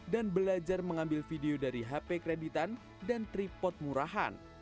dan belajar mengambil video dari hp kreditan dan tripod murahan